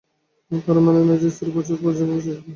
তার মানে এ নয় যে, স্ত্রী-পুত্র-পরিজনকে ভাসিয়ে বনে চলে যেতে হবে।